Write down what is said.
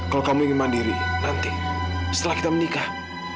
kalau kamu ingin mandiri nanti setelah kita menikah